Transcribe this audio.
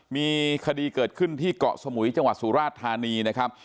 มีคดีเกิดขึ้นที่เกาะสมุยจังหวัดสุราชธานีนะครับ